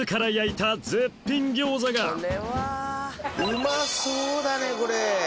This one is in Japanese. うまそうだねこれ。